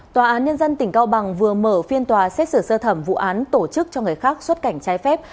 tòa án nhân dân tỉnh cao bằng vừa mở phiên tòa xét xử sơ thẩm vụ án tổ chức cho người khác xuất cảnh trái phép